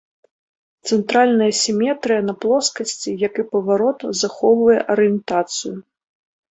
Цэнтральная сіметрыя на плоскасці, як і паварот, захоўвае арыентацыю.